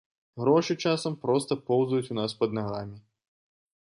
Грошы часам проста поўзаюць у нас пад нагамі.